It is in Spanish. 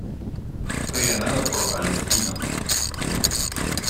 Fue ganado por Palestino.